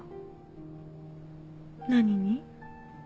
何に？